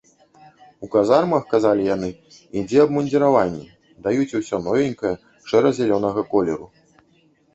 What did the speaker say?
У казармах, казалі яны, ідзе абмундзіраванне, даюць усё новенькае шэра-зялёнага колеру.